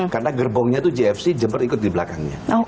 karena gerbongnya itu jfc jember ikut di belakangnya